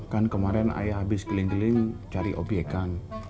kan kemarin ayah habis geling geling cari obyekan